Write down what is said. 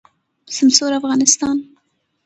سمسور افغانستان